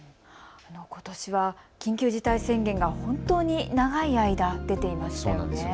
ことしは緊急事態宣言が本当に長い間出ていましたよね。